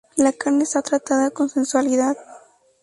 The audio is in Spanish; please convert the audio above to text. La carne está tratada con sensualidad.